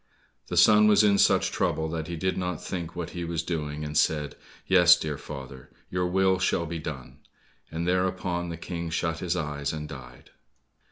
The son was in such trouble that he did not think what he was doing, and said, "Yes, dear father, your will shall be done," and thereupon the King shut his eyes, and died.